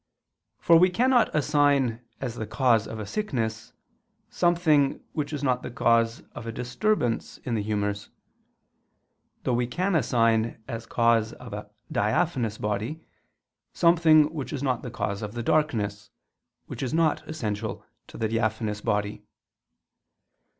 For we cannot assign as the cause of a sickness, something which is not the cause of a disturbance in the humors: though we can assign as cause of a diaphanous body, something which is not the cause of the darkness, which is not essential to the diaphanous body.